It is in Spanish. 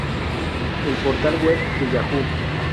El portal web de Yahoo!